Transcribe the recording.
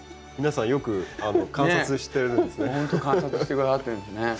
皆さんよく観察してるんですね。